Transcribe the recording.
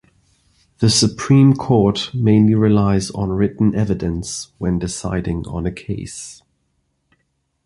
The Supreme Court mainly relies on written evidence when deciding on a case.